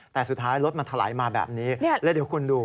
แต่สุดท้ายรถมันถลายมาแบบนี้แล้วเดี๋ยวคุณดู